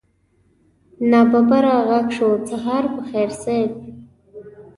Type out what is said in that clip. ناببره غږ شو سهار په خير صيب.